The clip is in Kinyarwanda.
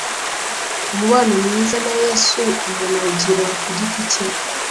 umubano mwiza na Yesu umuntu awugira ku giti cye,